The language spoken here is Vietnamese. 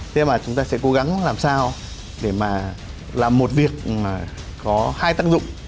thế mà chúng ta sẽ cố gắng làm sao để mà làm một việc có hai tác dụng